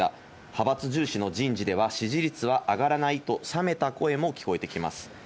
派閥重視の人事では、支持率は上がらないと冷めた声も聞こえてきます。